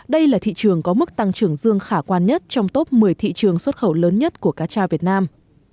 đây là thị trường có mức tăng trưởng dương khả quan nhất trong top một mươi thị trường xuất khẩu lớn nhất của cá tra việt nam